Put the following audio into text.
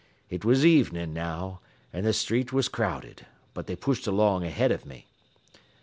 It was evenin' now, an' th' street was crowded, but they pushed along ahead av me.